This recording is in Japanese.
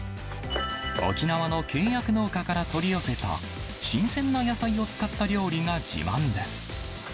沖縄の契約農家から取り寄せた、新鮮な野菜を使った料理が自慢です。